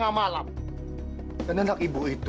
hai anak ibu itu